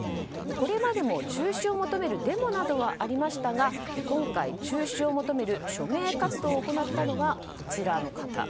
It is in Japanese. これまでも中止を求めるデモなどはありましたが今回、中止を求める署名活動を行ったのがこちらの方。